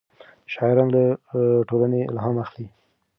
شاعران له ټولنې الهام اخلي.